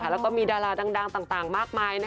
แล้วก็มีดาราดังต่างมากมาย